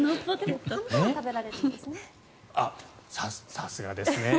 さすがですね。